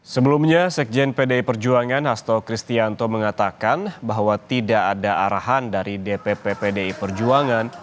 sebelumnya sekjen pdi perjuangan hasto kristianto mengatakan bahwa tidak ada arahan dari dpp pdi perjuangan